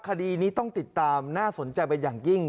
คดีนี้ต้องติดตามน่าสนใจมากจริง